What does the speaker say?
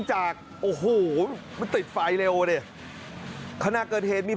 เขากวาดจะสร้างเสร็จก็นานพอเถอะนะใช่